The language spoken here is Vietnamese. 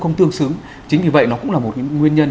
không tương xứng chính vì vậy nó cũng là một nguyên nhân